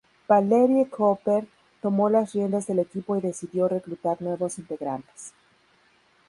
Valerie Cooper tomó las riendas del equipo y decidió reclutar nuevos integrantes.